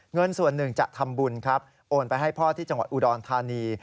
เงินส่วนหนึ่งจะทำบุญครับโอนไปให้พ่อที่จังหวัดอุดรธานี